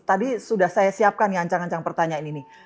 tadi sudah saya siapkan nih ancang ancang pertanyaan ini